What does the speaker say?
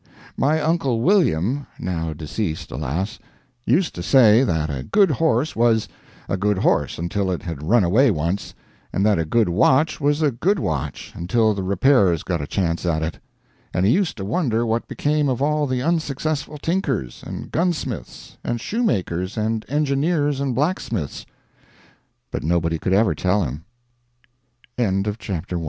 My uncle William (now deceased, alas!) used to say that a good horse was, a good horse until it had run away once, and that a good watch was a good watch until the repairers got a chance at it. And he used to wonder what became of all the unsuccessful tinkers, and gunsmiths, and shoemakers, and engineers, and blacksmiths; but nobody could ever tell him. POLITICAL ECONOMY Political